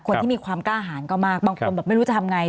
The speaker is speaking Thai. คนที่มีความกล้าหารก็มากบางคนแบบไม่รู้จะทำไง